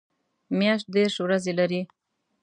میاشت دېرش ورځې لري